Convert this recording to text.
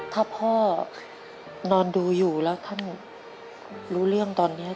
ถ้าพ่อนอนดูอยู่แล้วท่านรู้เรื่องตอนนี้